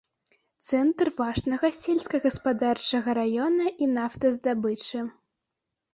Цэнтр важнага сельскагаспадарчага раёна і нафтаздабычы.